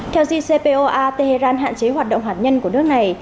theo jcpoa tehran hạn chế hoạt động hạt nhân của nước này